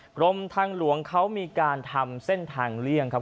กรมทางหลวงเขามีการทำเส้นทางเลี่ยงครับ